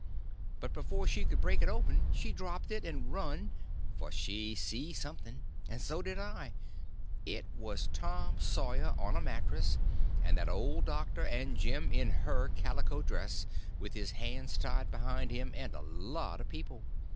But before she could break it open she dropped it and run—for she see something. And so did I. It was Tom Sawyer on a mattress; and that old doctor; and Jim, in her calico dress, with his hands tied behind him; and a lot of people.